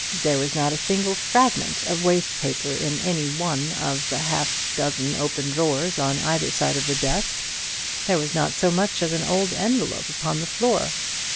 There was not a single fragment of waste paper in any one of the half dozen open drawers on either side of the desk. There was not so much as an old envelope upon the floor.